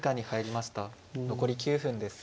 残り９分です。